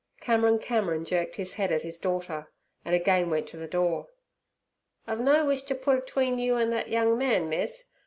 Cameron Cameron jerked his head at his daughter, and again went to the door. 'I've no wish to put atween you an' thet young man, miss.